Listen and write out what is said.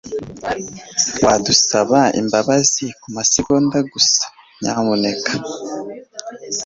Wadusaba imbabazi kumasegonda gusa, nyamuneka?